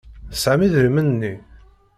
Tesɛam idrimen-nni?